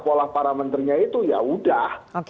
pola para menterinya itu yaudah